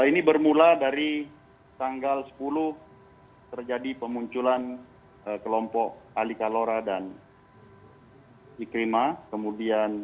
oke ini bermula dari tanggal sepuluh terjadi pemunculan kelompok alikalora dan ikrimah kemudian